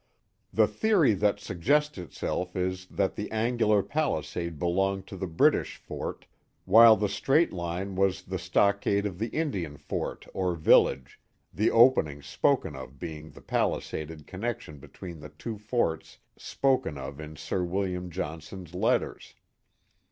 The theory that suggests itself is, that the angular palisade belonged to the British fort, while the straight line was the stockade of the Indian fort or village, the opening spoken of being the palisaded connection between the two forts spoken of in Sir William Johnson's letters.